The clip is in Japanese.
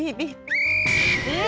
え！